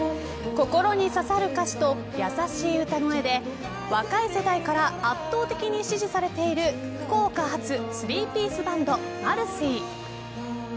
心に刺さる歌詞と優しい歌声で若い世代から圧倒的に支持されている福岡発３ピースバンド、マルシィ。